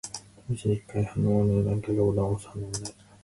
試しに一回。反応はない。何回かボタンを押す。反応はない。